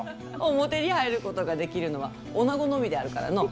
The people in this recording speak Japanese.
表に入ることができるのは女のみであるからの。